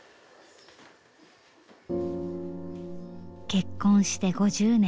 結婚して５０年。